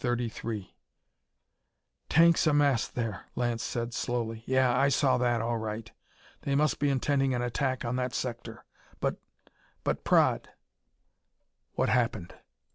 "Tanks massed there," Lance said slowly. "Yeh, I saw that, all right. They must be intending an attack on that sector. But but Praed " "What happened?"